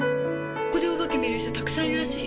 ここでお化け見る人たくさんいるらしいよ。